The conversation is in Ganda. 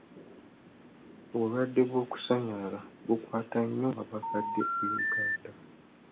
Obulwadde bw’okusannyalala bukwata nnyo abakadde e Uganda.